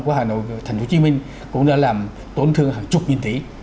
của hà nội và thành phố hồ chí minh cũng đã làm tổn thương hàng chục nghìn tỷ